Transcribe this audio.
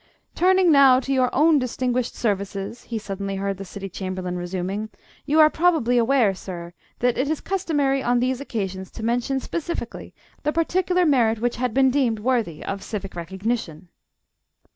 "Turning now to your own distinguished services," he suddenly heard the City Chamberlain resuming, "you are probably aware, sir, that it is customary on these occasions to mention specifically the particular merit which had been deemed worthy of civic recognition."